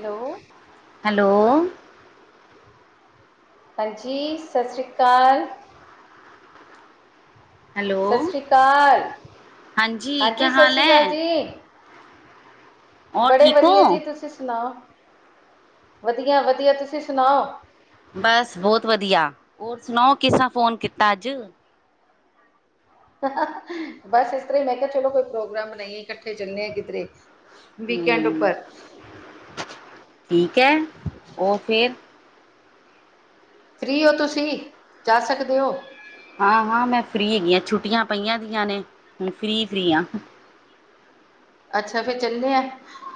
Hello. Hello. ਹਾਂਜੀ ਸ਼ਸਰੀ ਕਾਲ। ਹੈਲੋ ਸਸਰੀ ਕਾਲ। ਹਾਂਜੀ ਕਿਆ ਹਾਲ ਸਸਰੀ ਕਾਲ ਹੈ ਜੀ। ਔਰ ਬੜੇ ਠੀਕ ਵਧੀਆ ਹੋ ਜੀ ਤੁਸੀਂ ਸੁਣਾਓ। ਵਧੀਆ-ਵਧੀਆ ਤੁਸੀਂ ਸੁਣਾਓ? ਬਸ ਬੋਤ ਵਧੀਆ। ਔਰ ਸੁਣਾਓ ਕਿਸਰਾਂ ਫੋਨ ਕੀਤਾ ਅੱਜ? ਬਸ ਇਸ ਤਰ੍ਹਾਂ ਈ। ਮੈਂ ਕਿਆ ਚਲੋ ਕੋਈ ਪ੍ਰੋਗਰਾਮ ਬਣਾਈਏ ਕੱਠੇ ਚੱਲੇ ਕਿਧਰੇ। ਵੀਕਐਂਡ ਹਮ ਉੱਪਰ। ਠੀਕ ਐ। ਓ ਫੇਰ ਫ੍ਰੀ ਓ ਤੁਸੀਂ ਜਾ ਸਕਦੇ ਓ? ਹਾਂ-ਹਾਂ ਮੈਂ ਫਰੀ ਹੈਗੀ ਹਾਂ ਛੁੱਟੀਆਂ ਪਈਆਂ ਦੀਆਂ ਨੇੁ ਫਰੀ-ਫਰੀ ਹਾਂ। ਅੱਛਾ ਫੇਰ ਚੱਲੇ ਆ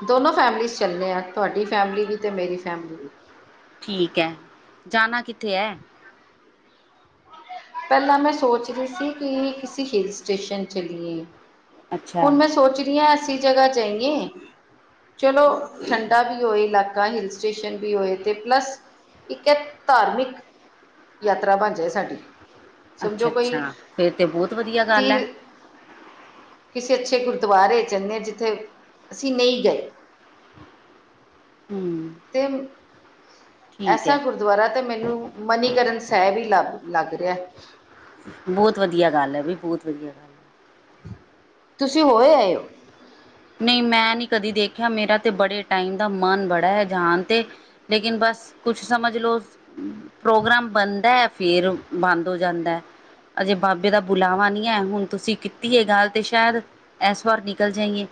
ਦੋਨੋ ਫੈਮਲੀਜ਼ ਚੱਲੇ ਆ ਤੁਹਾਡੀ ਫੈਮਿਲੀ ਵੀ ਤੇ ਮੇਰੀ ਫੈਮਿਲੀ ਵੀ ਠੀਕ ਐ ਜਾਣਾ ਕਿੱਥੇ ਐ? ਪੈਲਾਂ ਮੈਂ ਸੋਚ ਰਈ ਸੀ ਕਿ ਕਿਸੇ ਹਿਲ ਸਟੇਸ਼ਨ ਚਲੀਏ। ਅੱਛਾ ਹੁਨ ਮੈਂ ਸੋਚ ਰਈ ਆ ਅੱਸੀ ਜਗ੍ਹਾ ਜਾਈਏ। ਚਲੋ ਠੰਡਾ ਵੀ ਹੋਏ ਇਲਾਕਾ ਹਿੱਲ ਸਟੇਸ਼ਨ ਵੀ ਹੋਏ ਤੇ ਪਲੱਸ ਇੱਕ ਏ ਧਾਰਮਿਕ ਯਾਤਰਾ ਬਣ ਜਾਏ ਸਾਡੀ। ਸਮਝੋ ਕੋਈ ਅੱਛਾ-ਅੱਛਾ ਫੇਰ ਤੇ ਬੋਤ ਵਧੀਆ ਗੱਲ ਐ। ਤੀਰ ਕਿਸੇ ਅੱਛੇ ਗੁਰਦੁਆਰੇ ਚਲੇ ਜਿੱਥੇ ਅਸੀਂ ਨਈ ਗਏ। ਹੂੰ। ਤੇ ਐਸਾ ਕੁੁਰ ਦੁਆਰਾ ਤੇ ਮੈਨੂੰ ਮਨੀਕਰਨ ਸੇਹਬ ਈ ਲੱ ਲੱਗ ਰੇਆ। ਬੋਤ ਵਧੀਆ ਗੱਲ ਐ ਬੀ ਬੋਤ ਵਧੀਆ ਗੱਲ। ਹੈ। ਤੁਸੀਂ ਹੋਏ ਆਏ ਓ। ਨਈ ਮੈਂ ਨੀ ਕਦੀ ਦੇਖਿਆ ਮੇਰਾ ਤੇ ਬੜੇ ਟਾਈਮ ਦਾ ਮਨ ਬੜਾ ਹੈ ਜਾਨ ਤੇ। ਲੇਕਿਨ ਬਸ ਕੁਛ ਸਮਝ ਲੋਓ। ਪ੍ਰੋਗਰਾਮ ਬਣਦਾ ਐ ਫੇਰ ਬੰਦ ਹੋ ਜਾਂਦਾ। ਅਜੇ ਬਾਬੇ ਦਾ ਬੁਲਾਵਾ ਨੀ ਆਏਆ ਹੁਣ ਤੁਸੀਂ ਕੀਤੀ ਏ ਗੱਲ ਤੇ ਸ਼ਾਇਦ ਐਸ ਵਾਰ ਨਿਕਲ ਜਾਈਏ।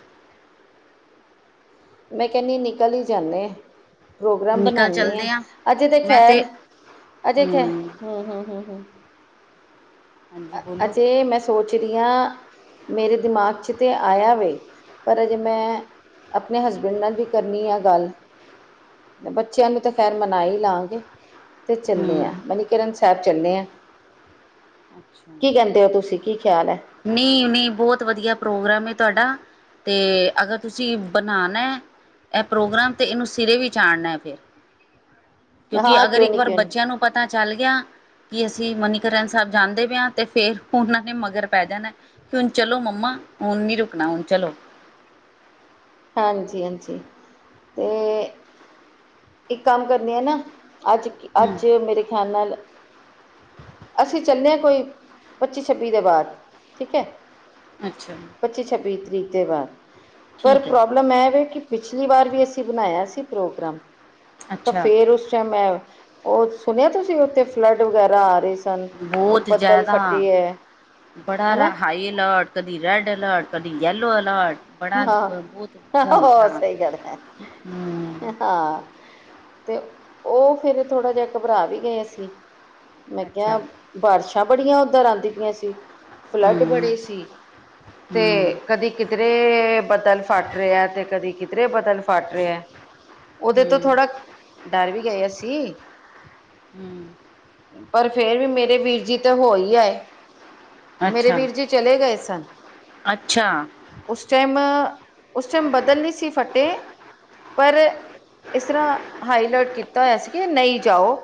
ਮੈਂ ਕਹਿੰਨੀ ਆ ਨਿਕਲ ਈ ਜਾਂਨੇ ਆ। ਪ੍ਰੋਗਰਾਮ ਨਿਕਲ ਬਣਾਨੇ ਆ ਚੱਲਦੇ ਹਾਂ ਅਜੇ ਤਾਂ ਮੈਂ ਤੇ ਖੈਰ ਅਜੇ ਖੈਰ ਹਮ ਹੂੰ-ਹੂੰ-ਹੂੰ-ਹੂੰ। ਹਾਂਜੀ ਬੋਲੋ ਅਜੇ ਮੈਂ ਸੋਚ ਰਈ ਆ। ਮੇਰੇ ਦਿਮਾਗ 'ਚ ਤਾਂ ਆਇਆ ਵੇ ਪਰ ਅਜੇ ਮੈਂ ਆਪਣੇ ਹਸਬੈਂਡ ਨਾਲ ਵੀ ਕਰਨੀ ਆ ਗੱਲ। ਬੱਚਿਆਂ ਨੂੰ ਤਾਂ ਖੈਰ ਮਨਾ ਈ ਲਾਂਗੇ ਤੇ ਚੱਲੇ ਹਮ ਆ ਮਨੀਕਰਨ ਸਾਹਿਬ ਚੱਲੇ ਆ। ਅੱਛਾ। ਕੀ ਕਹਿੰਦੇ ਓ ਤੁਸੀਂ ਕੀ ਖਿਆਲ ਐ? ਨੀ-ਨੀ ਬੋਤ ਵਧੀਆ ਪ੍ਰੋਗਰਾਮ ਏ ਤੋਆਡਾ। ਤੇ ਅਗਰ ਤੁਸੀਂ ਬਣਾਣਾ। ਐ ਪ੍ਰੋਗਰਾਮ ਤੇ ਏਨੂੰ ਸਿਰੇ ਵੀ ਚਾੜਨਾ ਫਿਰ। ਕਿਉਂਕਿ ਹਾਂ ਅਗਰ ਕਿਉਂ ਇੱਕ ਨਹੀਂ ਵਾਰ ਕਿਉਂ ਨਹੀਂ ਬੱਚਿਆਂ ਨੂੰ ਪਤਾ ਚੱਲ ਗਿਆ ਕਿ ਅਸੀਂ ਮਨੀਕਰਨ ਸਾਹਿਬ ਜਾਂਦੇ ਪਏ ਹਾਂ ਤੇ ਫੇਰ ਓਨਾਂ ਨੇ ਮਗਰ ਪੈ ਜਾਣਾ ਕਿ ਹੁਣ ਚਲੋ ਮੰਮਾ ਹੁਣ ਨੀ ਰੁਕਣਾ ਹੁਣ ਚਲੋ। ਹਾਂਜੀ-ਹਾਂਜੀ ਤੇ ਇੱਕ ਕੰਮ ਕਰਨੀ ਆ ਨਾ, ਹੂੰ ਅੱਜ-ਅੱਜ ਮੇਰੇ ਖੇਆਲ ਨਾਲ ਅਸੀਂ ਚੱਲਨੇ ਆ ਕੋਈ ਪੱਚੀ-ਛੱਬੀ ਦੇ ਬਾਦ, ਠੀਕ ਏ। ਅੱਛਾ। ਪੱਚੀ-ਛੱਬੀ ਤਰੀਕ ਦੇ ਬਾਦ, ਪਰ ਠੀਕ ਹੈ ਪ੍ਰੋਬਲਮ ਐ ਵੇ ਕੀ ਪਿਛਲੀ ਵਾਰ ਵੀ ਅਸੀਂ ਬਨਾਏਆ ਸੀ ਪ੍ਰੋਗਰਾਮ। ਤਾਂ ਅੱਛਾ ਫੇਰ ਓਸ ਟਾਈਮ ਅ, ਓ ਸੁਨੇਆ ਤੁਸੀਂ ਓਥੇ ਫਲੱਡ ਵਗੈਰਾ ਆ ਰੇ ਸੀ? ਬੋਤ ਜਾਦਾ, ਬੜਾ ਹਨਾ ਹਾਈ ਅਲਰਟ। ਕਦੀ ਰੈਡ ਅਲਰਟ ਕਦੀ ਯਲੋ ਅਲਰਟ ਬੜਾ ਹਾਂ, ਬਹੁਤ ਮਾਹੌਲ ਖ਼ਰਾਬ ਸਈ ਗੱਲ ਐ ਹੂੰ ਹਾਂ। ਤੇ ਓ ਫੇਰ ਥੋੜ੍ਹਾ ਜਾ ਘਬਰਾ ਵੀ ਗਏ ਅਸੀ, ਮੈਂ ਅੱਛਾ ਕੇਆ ਬਾਰਸ਼ਾਂ ਬੜੀਆਂ ਓਦਰ ਆਂਦੀ ਪੀਆਂ ਸੀ, ਫਲੱਟ ਹੂੰ ਬੜੇ ਸੀ 'ਤੇ ਹੂੰ ਕਦੀ ਕਿਦਰੇ, ਬਦਲ ਫਾੱਟ ਰੇਯਾ ਤੇ ਕਦੀ ਕਿਦਰੇ ਬਦਲ ਫਾਟ ਰੇਐ। ਓਦੇ ਤੋਂ ਹੂੰ ਥੋੜਾ, ਡਾਰ ਵੀ ਗਏ ਅਸੀ। ਹੂੰ। ਪਰ ਫੇਰ ਵੀ ਮੇਰੇ ਵੀਰ ਜੀ ਤੇ ਹੋਈ ਆਏ, ਮੇਰੇ ਅੱਛਾ ਵੀਰ ਜੀ ਚਲੇ ਗਏ ਸਨ। ਅੱਛਾ। [unintelligible] ਉਸ ਟਾਈਮ ਬਦਲ ਨਈ ਸੀ ਫਟੇ ਪਰ, ਇਸ ਰਾਂ ਹਾਈਲਰਟ ਕੀਤਾ ਹੋਏਆ ਸੀ ਕਿ ਨਈ ਜਾਓ।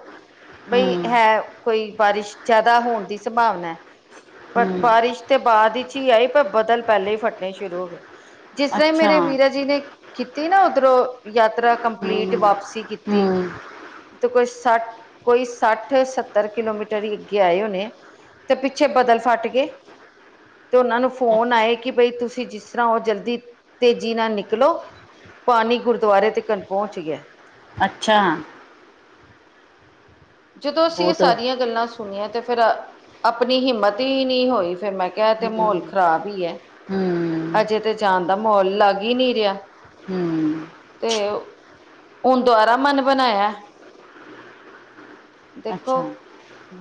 ਹੂੰ ਬਈ ਹੈ, ਕੋਈ ਬਾਰਿਸ਼ ਜਾਦਾ ਹੋਨ ਦੀ ਸੰਭਾਵਨੈ ਪਰ ਹੂੰ ਬਾਰਿਸ਼ ਤੇ ਬਾਦ ਇਚ ਈ ਆਈ ਪਰ ਬਦਲ ਪੈਲੇ ਈ ਫਟਨੇ ਸ਼ੁਰੂ ਹੋ ਗਏ। ਜਿਸ ਤਰਾ ਈ ਮੇਰੇ ਅੱਛਾ ਵੀਰਾ ਜੀ ਨੇ ਕੀਤੀ ਨਾ ਓਦਰੋਂ, ਯਾਤਰਾ ਕੰਪਲੀਟ ਹੂੰ ਵਾਪਸੀ ਕੀਤੀ ਹੂੰ ਤੇ ਕੋਈ ਸੱਠ, ਕੋਈ ਸੱਠ-ਸੱਤਰ ਕਿਲੋਮੀਟਰ ਈ ਅੱਗੇ ਆਏ ਹੋਨੇ ਤੇ ਪਿੱਛੇ ਬਦਲ ਫਾੱਟ ਗੇ। ਤੇ ਓਨਾਂ ਨੂੰ ਅੱਛਾ ਫੋਨ ਆਏ ਕਿ ਬਈ ਤੁਸੀਂ ਜਿਸਰਾਂ ਓ ਜਲਦੀ, ਤੇਜੀ ਨਾਲ ਨਿਕਲੋ ਪਾਨੀ ਗੁਰਦਵਾਰੇ ਤਿਕੰਨ ਪੋਚ ਗੇਆ। ਅੱਛਾ। ਜਦੋਂ ਅਸੀਂ ਏ ਬਹੁਤ ਸਾਰੀਆਂ ਹੂੰ ਗੱਲਾਂ ਸੁਨੀਆਂ ਤੇ ਫੇਰ ਆਪਨੀ ਹਿੰਮਤ ਈ ਨੀ ਹੋਈ ਫੇਰ ਮੈਂ ਤੇ ਐ ਤੇ ਮਾਹੌਲ ਖਰਾਬ ਈ ਐ, ਹੂੰ ਅਜੇ ਤੇ ਜਾਨ ਦਾ ਮਹੌਲ ਲਾੱਗ ਈ ਨੀ ਰੇਆ। ਹੂੰ। ਤੇ ਓ, ਹੁਨ ਦੁਆਰਾ ਮਨ ਬਨਾਯਾ? ਦੇਖੋ ਅੱਛਾ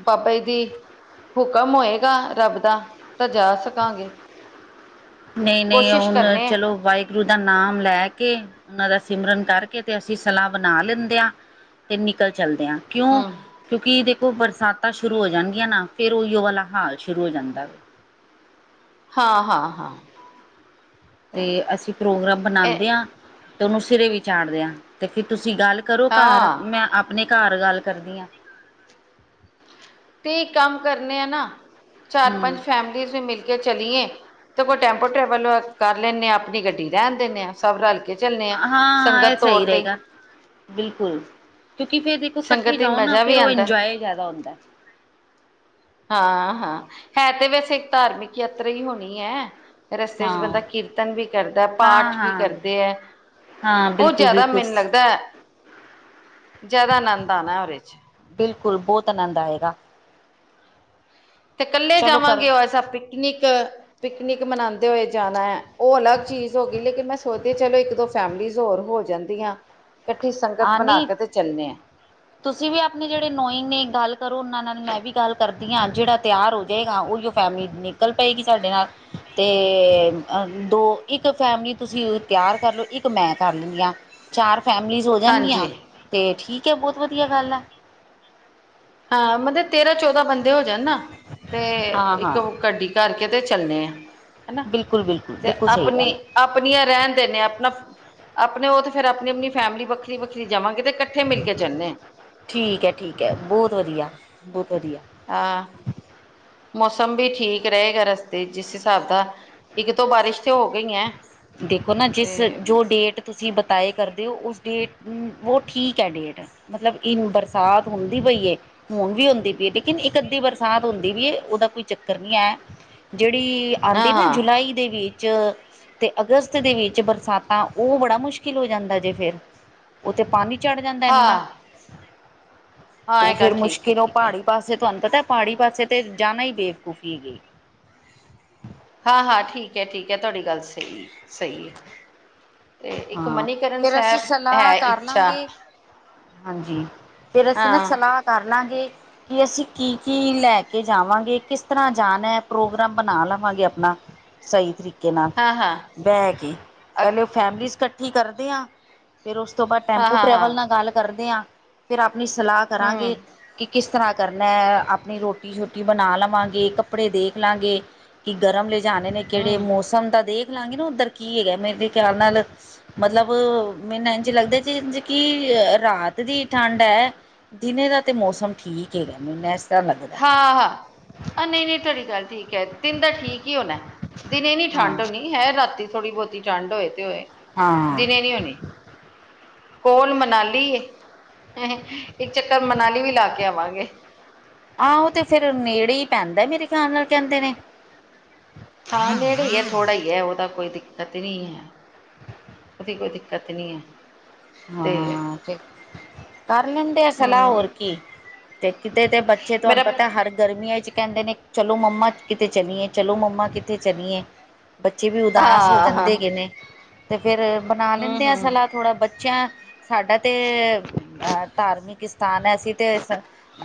ਬਾਬੇ ਈ ਦੀ, ਹੁਕਮ ਹੋਏਗਾ ਰੱਬ ਦਾ ਤਾਂ ਜਾ ਸਕਾਂਗੇ। ਨਈ-ਨਈ ਕੋਸ਼ਿਸ਼ ਹੁਨ ਕਰਨੇ ਚਲੋ ਵਾਈ ਗੁਰੂ ਦਾ ਨਾਮ ਲੈ ਕੇ, ਉਨਾਂ ਦਾ ਸਿਮਰਨ ਕਾਰਕੇ 'ਤੇ ਅਸੀ ਸਲਾ ਬਨਾ ਲੈਂਦੇ ਆਏ। 'ਤੇ ਨਿਕਲ ਚਲਦੇ ਆਂ। ਕੇਓਂ, ਹਮ ਕਿਉਂਕਿ ਦੇਖੋ ਬਰਸਾਤਾਂ ਸ਼ੁਰੂ ਹੋ ਜਾਨਗੀਆਂ ਨਾ ਫੇਰ ਓਈਓ ਵਾਲਾ ਹਾਲ ਸ਼ੁਰੂ ਹੋ ਜਾਂਦਾ ਵੇ। ਹਾ, ਹਾਂ, ਹਾਂ। ਤੇ, ਅਸੀਂ ਪ੍ਰੋਗਰਾਮ ਇਹ ਬਨਾਂਦੇ ਆ 'ਤੇ ਓਨੂੰ ਸਿਰੇ ਵੀ ਚਾੜਦੇ ਆਂ। 'ਤੇ ਫਿਰ ਤੁਸੀਂ ਗੱਲ ਕਰੋ ਘਾਰ, ਹਾਂ ਮੈਂ ਆਪਨੇ ਘਾਰ ਗਾੱਲ ਕਰਦੀ ਆ। ਤੇ ਇੱਕ ਕੰਮ ਕਰਨੇ ਆ ਨਾ, ਹੂੰ ਚਾਰ-ਪਾੰਜ ਫੈਮ 'ਤੇ ਅਸੀਂ ਮਿਲ ਕੇ ਚਲੀਏ, ਤੇ ਕੋਈ ਟੈਂਪੋ ਟਰੈਵਲ ਵ ਕਾਰ ਲੈਂਨੇ ਆਂ ਆਪਨੀ ਗੱਡੀ ਰੈਨ ਦੇਨੇ ਆਂ। ਸਬ ਰਲ ਕੇ ਚੱਲਨੇ ਆ, ਹਾਂ ਇਹ ਸੰਗਤ ਤੋਰ ਸਹੀ ਤੇ। ਰਹੇਗਾ ਬਿਲਕੁਲ, ਕਿਉਕਿ ਫੇਰ ਦੇਖੋ ਕੱਠੇ ਸੰਗਤ ਹੀ ਜਾਓ ਨਾ ਮਜ਼ਾ ਫੇਰ ਵੀ ਓ ਆਉਂਦਾ ਇੰਜੌਏ ਜਾਦਾ ਹੁੰਦੈ। ਹਾਂ-ਹਾਂ, ਹੈ ਤੇ ਵੈਸੇ ਇੱਕ ਧਾਰਮਿਕ ਯਾਤਰਾ ਈ ਹੋਨੀ ਏ। ਰਸਤੇ 'ਚ ਬੰਦਾ ਹਾਂ ਕੀਰਤਨ ਵੀ ਕਰਦੈ, ਹਾਂ ਪਾਠ ਵੀ ਹਾਂ ਕਰਦੇ ਐ। ਹਾਂ ਓ ਬਿਲਕੁਲ ਜਿਆਦਾ ਬਿਲਕੁਲ ਮੈਨੂੰ ਲੱਗਦੈ, ਜਿਆਦਾ ਆਨੰਦ ਆਨੈ ਓਰੇ 'ਚ। ਬਿਲਕੁਲ ਬੋਤ ਆਨੰਦ ਆਏਗਾ। ਤੇ ਕੱਲੇ ਚਲੋ ਕਰ ਜਾਵਾਂਗੇ ਔਰ ਸਬ ਪਿਕਨਿਕ ਪਿਕਨਿਕ ਮਨਾਂਦੇ ਹੋਏ ਜਾਨੈ। ਓ ਅਲੱਗ ਚੀਜ ਹੋ ਗੀ ਲੇਕਿਨ ਮੈਂ ਸੋਚਦੀ ਆਂ ਚਲੋ ਇੱਕ ਦੋ ਫੈਮਲੀਜ਼ ਹੋਰ ਹੋ ਜਾਂਦੀਆਂ ਕੱਠੀ ਸੰਗਤ ਬਣਾ ਕੇ ਤੇ ਚੱਲਨੇ ਆਂ। ਤੁਸੀ ਵੀ ਆਪਣੇ ਜੜੇ ਨੋਇੰਗ ਨੇ, ਗੱਲ ਕਰੋ ਓਨਾਂ ਨਾਲ ਮੈਂ ਵੀ ਗੱਲ ਕਰਦੀ ਆਂ, ਜੜਾ ਤਿਆਰ ਹੋਜੇਗਾ ਓਈਯੋ ਫੈਮਲੀ ਨਿਕਲ ਪਏਗੀ ਸਾਡੇ ਨਾਲ ਤੇ ਅ ਦੋ, ਇੱਕ ਫੈਮਲੀ ਤੁਸੀ ਤਿਆਰ ਕਰ ਲੋ ਇੱਕ ਮੈਂ ਕਰ ਲੇਂਦੀ ਆਂ। ਚਾਰ ਫੈਮਲੀਜ਼ ਹੋ ਜਾਣਗੀਆਂ ਹਾਂਜੀ ਤੇ ਠੀਕ ਏ ਬੋਤ ਵਧੀਆ ਗੱਲ ਐ। ਹਾਂ, ਮਤਲਬ ਤੇਰਾਂ ਚੌਦਾਂ ਬੰਦੇ ਹੋ ਜਾਣ ਨਾ ਤੇ ਹਾਂ ਇੱਕ ਹਾਂ ਵ ਗੱਡੀ ਕਰਕੇ ਤੇ ਚੱਲਨੇ ਆਂ। ਹੈਨਾ ਬਿਲਕੁਲ ਬਿਲਕੁਲ ਤੇ ਬਿਲਕੁਲ ਸਹੀ ਗੱਲ ਆਪਣੀ ਹੈ ਆਪਨੀਆਂ ਰੈਨ ਦੇਨੇ ਆ ਆਪਣਾ, ਆਪਣੇ ਓ ਤੇ ਫੇਰ ਆਪਣੀ-ਆਪਣੀ ਫੈਮਲੀ ਵੱਖਰੀ-ਵੱਖਰੀ ਜਾਵਾਂਗੇ ਤੇ ਕੱਠੇ ਮਿਲ ਕੇ ਚੱਲਨੇ ਐਂ। ਠੀਕ ਐ-ਠੀਕ ਐ ਬੋਤ ਵਧੀਆ, ਬੋਤ ਵਧੀਆ। ਆ, ਮੌਸਮ ਵੀ ਠੀਕ ਰਏਗਾ ਰਸਤੇ 'ਚ, ਜਿਸ ਹਿਸਾਬ ਦਾ ਇੱਕ-ਦੋ ਬਾਰਿਸ਼ ਤੇ ਹੋ ਗਈਐਂ। ਦੇਖੋ ਨਾ ਜਿਸ, ਜੋ ਡੇਟ ਤੁਸੀ ਬਤਾਏ ਕਰਦੇ ਓ ਉਸ ਡੇਟ ਉਂ ਵੋ ਠੀਕ ਐ ਡੇਟ। ਮਤਲਬ ਇਨ ਬਰਸਾਤ ਹੁੰਦੀ ਪਈ ਏ ਹੁਣ ਵੀ ਹੁੰਦੀ ਪਈ ਏ ਲੇਕਿਨ ਇੱਕ-ਅੱਧੀ ਬਰਸਾਤ ਹੁੰਦੀ ਵੀ ਏ ਓਦਾ ਕੋਈ ਚੱਕਰ ਨੀ ਐ। ਜੜੀ ਆਂਦੀ ਹਾਂ ਏ ਨਾ ਹਾਂ ਜੁਲਾਈ ਦੇ ਵਿੱਚ ਤੇ ਅਗਸਤ ਦੇ ਵਿੱਚ ਬਰਸਾਤਾਂ ਓ ਬੜਾ ਮੁਸ਼ਕਿਲ ਹੋ ਜਾਂਦਾ ਜੇ ਫੇਰ। ਓ ਤੇ ਪਾਨੀ ਚੜ੍ਹ ਜਾਂਦਾ ਇੰਨਾ। ਹਾਂ ਹਾਂ ਓ ਇਹ ਗੱਲ ਫੇਰ ਠੀਕ ਹੈ ਮੁਸ਼ਕਿਲ ਓ ਠੀਕ ਹੈ ਪਾੜ੍ਹੀ ਪਾਸੇ ਤੁਆਨੂੰ ਪਤੈ ਪਾੜ੍ਹੀ ਪਾਸੇ ਤੇ ਜਾਨਾ ਈ ਬੇਵਕੂਫੀ ਹੈਗੀ। ਹਾਂ-ਹਾਂ, ਠੀਕ ਐ-ਠੀਕ ਐ ਤੁਆਡੀ ਗੱਲ ਸਈ, ਸਈ ਏ। ਤੇ ਇੱਕ ਹਾਂ ਮਨੀਕਰਨ ਫੇਰ ਸੈਬ ਅਸੀਂ ਹੈ ਸਲਾਹ ਕਰ ਇੱਛਾ। ਲਾਂਗੇ ਹਾਂਜੀ, ਫੇਰ ਅਸੀ ਨਾ ਹਾਂ ਸਲ੍ਹਾ ਕਰ ਲਾਂਗੇ ਕਿ ਅਸੀ ਕੀ-ਕੀ ਲੈ ਕੇ ਜਾਵਾਂਗੇ, ਕਿਸ ਤਰ੍ਹਾਂ ਜਾਨੈ, ਪ੍ਰੋਗਰਾਮ ਬਣਾ ਲਵਾਂਗੇ ਆਪਨਾ ਸਈ ਤਰੀਕੇ ਨਾਲ, ਹਾਂ ਹਾਂ ਬੈ ਕੇ। ਅ ਪੈਲੇ ਓ ਫੈਮਲੀਜ਼ ਕੱਠੀ ਕਰਦੇ ਆਂ ਫਿਰ ਓਸ ਤੋਂ ਬਾਦ ਹਾਂ ਟੈਂਪੂ ਹਾਂ ਹਾਂ ਟਰੈਵਲ ਨਾਲ ਗੱਲ ਕਰਦੇ ਆਂ। ਫੇਰ ਆਪਣੀ ਸਲ੍ਹਾ ਹਮ ਕਰਾਂਗੇ ਕਿ ਕਿਸ ਤਰ੍ਹਾਂ ਕਰਨਾ ਐ। ਆਪਣੀ ਰੋਟੀ-ਸ਼ੋਟੀ ਬਣਾ ਲਵਾਂਗੇ, ਕੱਪੜੇ ਦੇਖ ਲਾਂਗੇ ਕਿ ਗਰਮ ਲੇਜਾਨੇ ਨੇ, ਕੇੜੇ ਹਮ ਮੌਸਮ ਦਾ ਦੇਖ ਲਾਂਗੀ ਨਾ ਓਧਰ ਕੀ ਹੈਗੈ। ਮੇਰੇ ਤੇ ਖਿਆਲ ਨਾਲ ਮਤਲਬ ਮੇਨੰ ਐਝ ਲੱਗਦੈ ਜਿੰਝ ਕਿ ਅ ਰਾਤ ਦੀ ਠੰਡ ਐ। ਦਿਨੇ ਦਾ ਤੇ ਮੌਸਮ ਠੀਕ ਹੈਗਾ, ਮੇਨੂੰ ਐਸ ਤਰ੍ਹਾਂ ਲੱਗ ਹਾਂ, ਹਾਂ ਅ ਨਈ-ਨਈ ਤੁਆਡੀ ਗੱਲ ਠੀਕ ਐ। ਤਿਨ ਦਾ ਠੀਕ ਈ ਹੋਨੈ। ਦਿਨੇ ਨੀ ਹਾਂ ਠੰਢ ਹੋਨੀ। ਹੈ ਰਾਤੀ ਥੋੜੀ ਬੋਤੀ ਠੰਡ ਹੋਏ ਤੇ ਹੋਏ। ਹਾਂ ਦਿਨੇ ਨੀ ਹੋਨੀ। ਕੋਲ ਮਨਾਲੀ ਏ। ਇੱਕ ਚੱਕਰ ਮਨਾਲੀ ਵੀ ਲਾ ਕੇ ਆਵਾਂਗੇ। ਆਂ ਓ ਤੇ ਫੇਰ ਨੇੜੇ ਈ ਪੈਂਦੈ ਮੇਰੇ ਖਿਆਲ ਨਾਲ ਕੈਂਦੇ ਨੇ। ਹਾਂ ਨੇੜੇ ਈ ਐ, ਥੋੜਾ ਈ ਐ। ਓ ਤਾਂ ਕੋਈ ਦਿੱਕਤ ਈ ਨਹੀ ਐ। ਓਦੀ ਕੋਈ ਦਿੱਕਤ ਨੀ ਐ। ਹਾਂ ਤੇ ਕਰ ਲੇਂਦੇ ਆ ਸਲ੍ਹਾ ਹਮ ਹੋਰ ਕੀ। ਤੇ ਕਿਤੇ ਤੇ ਬੱਚੇ ਤੁਆਨੂੰ ਮੇਰਾ ਪਤੈ ਹਰ ਗਰਮੀਆਂ 'ਚ ਕੈਂਦੇ ਨੇ ਚਲੋ ਮੰਮਾ ਕਿਤੇ ਚਲੀਏ, ਚਲੋ ਮੰਮਾ ਕਿੱਥੇ ਚਲੀਏ। ਬੱਚੇ ਵੀ ਉਦਾਸ ਹੋ ਹਾਂ ਹਾਂ ਜਾਂਦੇ ਹੈਗੇ ਨੇ ਤੇ ਫੇਰ ਬਣਾ ਹਮ ਲੈਂਦੇ ਆ ਹਮ ਸਲਾਹ ਥੋੜ੍ਹਾ ਬ ਚੇਆਂ ਸਾਡਾ ਤੇ ਅ ਧਾਰਮਿਕ ਸਥਾਨ ਹੈ। ਅਸੀ ਤੇ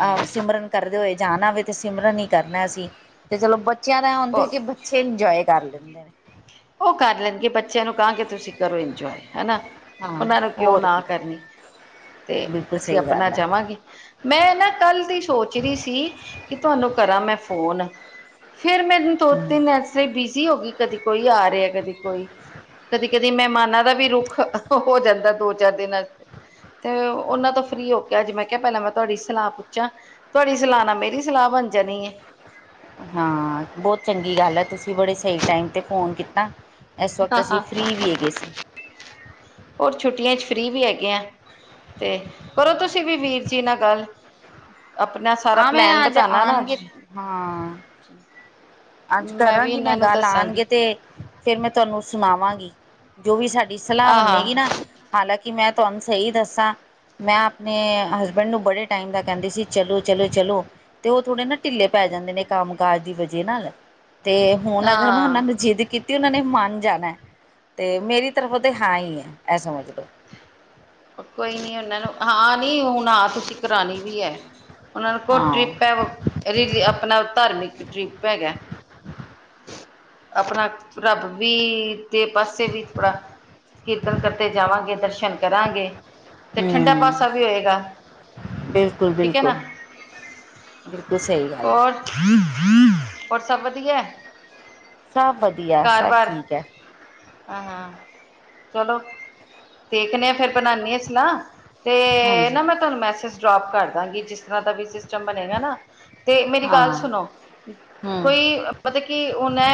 ਆਵ ਸਿਮਰਨ ਕਰਦੇ ਹੋਏ ਜਾਣਾ ਵੇ ਤੇ ਸਿਮਰਨ ਈ ਕਰਨੈ ਅਸੀ ਤੇ ਚਲੋ ਬ ਚੇਆਂ ਦਾ ਐ ਹੁੰਦੈ ਕਿ ਉਹ ਬੱਚੇ ਇੰਜੋਏ ਕਰ ਲੈਂਦੇ ਨੇ। ਓ ਕਰ ਲੈਣਗੇ। ਬੱਚੇਆਂ ਨੂੰ ਕਾਂਗੇ ਤੁਸੀ ਕਰੋ ਇੰਜੋਏ ਹੈਨਾ। ਹਾਂ ਓਨਾਂ ਨੂੰ ਕਿਉਂ ਹੋਰ ਨਾ ਕੀ ਕਰਨੀ। ਤੇ ਬਿਲਕੁਲ ਅਸੀ ਸਹੀ ਆਪਣਾ ਗੱਲ ਹੈ ਜਾਵਾਂਗੇ ਮੈਂ ਨਾ ਕਾੱਲ ਦੀ ਸੋਚ ਰੀ ਸੀ ਕਿ ਤੁਆਨੂੰ ਕਰਾਂ ਮੈਂ ਫੋਨ। ਫੇਰ ਮੈਨੂੰ ਤੋ ਹਮ ਤਿੰਨ ਆਸੇ ਬਿਜ਼ੀ ਹੋ ਗੀ। ਕਦੀ ਕੋਈ ਆ ਰਿਐ, ਕਦੀ ਕੋਈ। ਕਦੀ-ਕਦੀ ਮੈਹਮਾਨਾਂ ਦਾ ਵੀ ਰੁੱਖ ਹੋ ਜਾਂਦਾ ਦੋ-ਚਾਰ ਦਿਨ ਆਸਤੇ ਤੇ ਓਨਾਂ ਤੋਂ ਫ੍ਰੀ ਹੋ ਕੇ ਅੱਜ ਮੈਂ ਕਿਆ ਪੈਲਾਂ ਮੈਂ ਤੁਆਡੀ ਸਲਾ ਪੁੱਛਾਂ। ਤੁਆਡੀ ਸਲਾ ਨਾਲ ਮੇਰੀ ਸਲਾ ਬਨ ਜਾਨੀ ਏ। ਹਾਂ, ਬੋਤ ਚੰਗੀ ਗੱਲ ਐ ਤੁਸੀ ਬੜੇ ਸਈ ਟਾਈਮ ਤੇ ਫੋਨ ਕੀਤਾ। ਇਸ ਵਕਤ ਅਸੀਂ ਫ੍ਰਰੀ ਵੀ ਹੈਗੇ ਸੀ ਹੋਰ ਛੁੱਟੀਆਂ 'ਚ ਫ੍ਰੀ ਵੀ ਹੈਗੇ ਆਂ। ਤੇ ਕਰੋ ਤੁਸੀ ਵੀ ਵੀਰ ਜੀ ਨਾਲ ਗੱਲ। ਆਪਣਾ ਥਾਰਾ ਹਾਂ ਮੈਂ ਪਲੈਨ ਅੱਜ ਬਤਾਣਾ ਨਾ ਅੱਜ। ਆਉਣਗੇ ਹਾਂ, ਅੱਜ ਵੀ ਤਰਾਂਗੀ ਮੈਂ ਇਹਨਾਂ ਨੂੰ ਦੱਲ ਦੱਸਾਂਗੀ ਆਣਗੇ ਤੇ ਫੇਰ ਮੈਂ ਤੁਆਨੂੰ ਸੁਣਾਵਾਂਗੀ ਜੋ ਵੀ ਸਾਡੀ ਸਲਾ ਆਹ ਬੰਨੇਗੀ ਨਾ। ਹਾਲਾਂਕਿ ਮੈਂ ਤੁਆਨੂੰ ਸਈ ਦੱਸਾਂ ਮੈਂ ਆਪਣੇ ਹਸਬੈਂਡ ਨੂੰ ਬੜੇ ਟਾਈਮ ਦਾ ਕੈਂਦੀ ਸੀ ਚਲੋ ਚਲੇ-ਚਲੋ ਤੇ ਓ ਥੋੜੇ ਨਾ ਢਿੱਲੇ ਪੈ ਜਾਂਦੇ ਨੇ। ਕੰਮ ਕਾਜ ਦੀ ਬਜੇ ਨਾਲ। ਤੇ ਹੁਣ ਅਗਰ ਮੈਂ ਓਹਨਾਂ ਹਾਂ ਨੂੰ ਜਿੱਦ ਕੀ ਤੇ ਓਨਾਂ ਨੇ ਮਨ ਜਾਨੈ ਤੇ ਮੇਰੀ ਤਰਫੋਂ ਤੇ ਹਾਂ ਈ ਏ, ਐ ਸਮਝ ਲੋ। ਓ ਕੋਈ ਨੀ ਓਨਾਂ ਨੂੰ ਹਾਂ ਨੀ ਹੁਣ ਹਾਂ ਤੁਸੀ ਕਰਾਨੀ ਵੀ ਐ। ਓਨਾਂ ਨੂੰ ਕੋਅ ਹਾਂ ਟ੍ਰਿਪ ਐ ਰੀ ਜੀ, ਆਪਣਾ ਧਾਰਮਿਕ ਟ੍ਰਿਪ ਹੈਗੈ। ਆਪਣਾ ਰੱਬ ਠੀਕ ਵੀ ਤੇ ਪਾਸੇ ਵੀ ਥੋੜਾ ਕੀਰਤਨ ਕਰਤੇ ਜਾਵਾਂਗੇ, ਦਰਸ਼ਨ ਕਰਾਂ ਤੇ ਠੰਡਾ ਹੂੰ, ਪਾਸਾ ਵੀ ਹੋਏਗਾ। ਠੀਕ ਐ ਬਿਲਕੁਲ-ਬਿਲਕੁਲ, ਨਾ। ਬਿਲਕੁਲ ਬਿਲਕੁਲ ਸਈ ਗੱਲ ਐ। ਔਰ ਸਭ ਵਧੀਐ? ਸਭ ਵਧੀਆ, ਸਭ ਠੀਕ ਐ। ਆ, ਹਾਂ। ਚਲੋ ਦੇਖਨੇ ਆ। ਫੇਰ ਬਨਾਨੇ ਆ ਸਲਾ। ਤੇ ਹਾਂਜੀ। ਨਾ ਮੈਂ ਤੁਆਨੂੰ ਮੈਸੇਜ ਡਰੋਪ ਕਰ ਦਾਂਗੀ ਜਿਸ ਤਰਾਂ ਦਾ ਵੀ ਸਿਸਟਮ ਬਣੇਗਾ ਨਾ। ਤੇ ਮੇਰੀ ਗੱਲ ਹਾਂ, ਸੁਨੋ ਹੂੰ, ਕੋਈ ਮਤਲਬ ਕਿ ਹੁਣ ਐ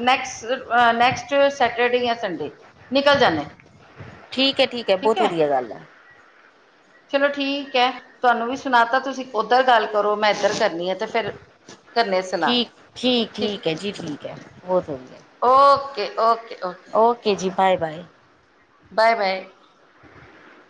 ਨੈਕਸ ਅ ਨੈਕਸਟ ਸੈਟਰਡੇ ਯਾਂ ਸੰਡੇ ਨਿਕਲ ਜਾਂਨੈ। ਠੀਕ ਐ-ਠੀਕ ਐ ਬੋਤ ਵਧੀਆ ਗੱਲ ਐ। ਚਲੋ ਠੀਕ ਐ ਤੁਆਨੂੰ ਵੀ ਸੁਣਾ ਤਾ ਤੁਸੀ ਓਧਰ ਗੱਲ ਕਰੋ ਮੈਂ ਐਧਰ ਕਰਨੀ ਆ ਤੇ ਫੇਰ ਠੀਕ, ਠੀਕ-ਠੀਕ ਐ ਜੀ ਠੀਕ ਐ। ਬੋਤ ਵਧੀਐ। Okay, okay, okay. ਓਕੇ ਜੀ, ਬਾਏ-ਬਾਏ। ਬਾਏ-ਬਾਏ। [unintelligible]